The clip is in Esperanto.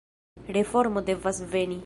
Reformo devas veni.